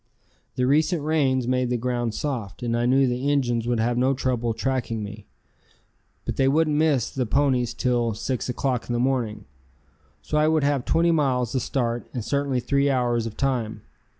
The recent rains made the ground soft, and I knew the Injuns would have no trouble tracking me. But they wouldn't miss the ponies till 6 o'clock in the morning, so I would have twenty miles the start and certainly three hours of time.